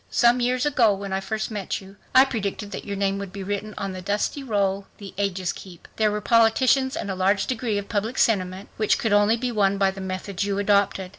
Some years ago when I first met you I predicted that your name would be written 'on the dusty roll the ages keep.' There were politicians, and a large degree of public sentiment, which could only be won by the methods you adopted